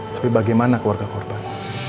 tapi bagaimana keluarga korban